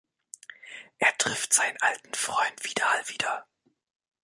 Er trifft seinen alten Freund Vidal wieder.